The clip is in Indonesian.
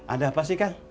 ada apa sih kang